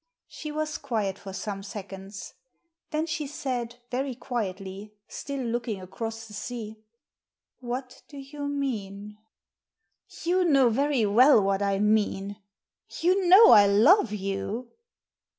She was quiet for some seconds. Then she said, very quietly, still looking across the sea —" What do you mean ?"" You know very well what I mean. You know I love you."